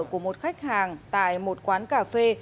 của một khách hàng tại một quán cà phê